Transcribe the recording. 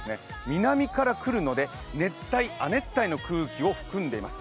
南から来るので、熱帯・亜熱帯の空気を含んでいます。